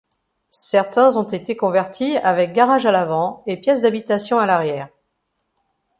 Certains ont été convertis avec garage à l'avant et pièces d'habitation à l'arrière.